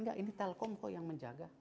enggak ini telkom kok yang menjaga